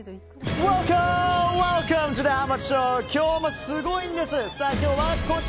今日もすごいんです。